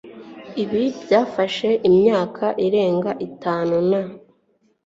Ibi byafashe imyaka irenga itanu n